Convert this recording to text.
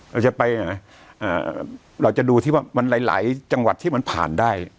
เราจะไปเราจะดูที่ว่ามันหลายจังหวัดที่มันผ่านได้